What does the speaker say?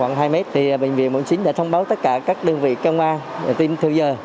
vì vậy thì bệnh viện một mươi chín đã thông báo tất cả các đơn vị công an tiêm thư dơ